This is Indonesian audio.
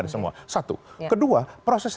semua satu kedua proses